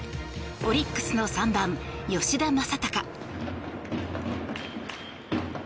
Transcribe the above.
オリックスの３番、吉田正尚。